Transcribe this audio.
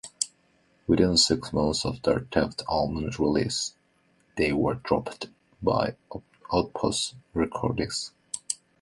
Within six months of their debut album's release they were dropped by Outpost Recordings.